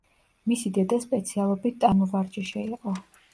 მისი დედა სპეციალობით ტანმოვარჯიშე იყო.